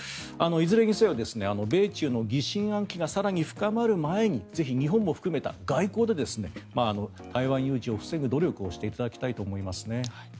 いずれにせよ、米中の疑心暗鬼が更に深まる前にぜひ日本も含めた外交で台湾有事を防ぐ努力をしていただきたいと思いますね。